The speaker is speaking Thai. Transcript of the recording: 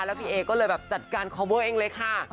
แล้วพี่เอก็เลยแบบจัดการคอมเวอร์เองเลยค่ะ